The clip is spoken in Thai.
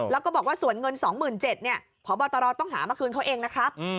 แล้วก็บอกว่าส่วนเงิน๒๗๐๐บาทพบตรต้องหามาคืนเขาเองนะครับ